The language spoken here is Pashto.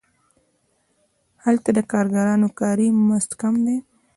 هلته د کارګرانو کاري مزد کم دی